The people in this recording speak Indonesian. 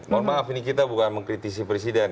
mohon maaf ini kita bukan mengkritisi presiden